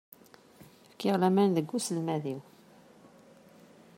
Fkiɣ laman deg uselmad-iw.